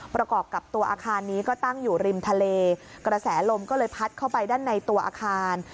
ประกอบกับตัวอาคารนี้ก็ตั้งอยู่ริมทะเลกระแสลมก็เลยพัดเข้าไปด้านในตัวอาคาร